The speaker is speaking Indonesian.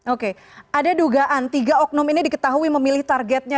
oke ada dugaan tiga oknum ini diketahui memilih targetnya